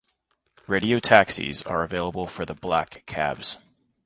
Radio taxis are available for the black cabs.